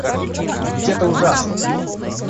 Ведь это ужасно!